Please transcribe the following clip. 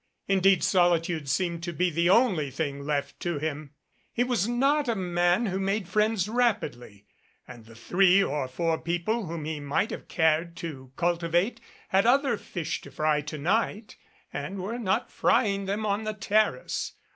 Indeed solitude seemed to be the only thing left to him. He was not a man who made friends rapidly, and the three or four peo ple whom he might have cared to cultivate had other fish 85 MADCAP to fry to night and were not frying them on the terrace.